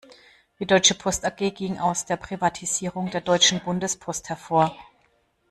Die deutsche Post A-G ging aus der Privatisierung der deutschen Bundespost hervor.